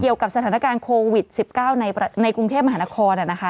กับสถานการณ์โควิด๑๙ในกรุงเทพมหานครนะคะ